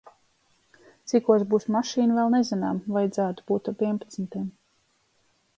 Cikos būs mašīna vēl nezinām, vajadzētu būt ap vienpadsmitiem.